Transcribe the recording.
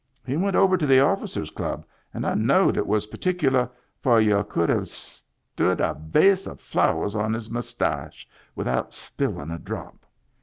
He went over to the officers' club and I knowed it was particular, for y'u could have stood a vase of flowers on his muss tash with out spillin' a drop.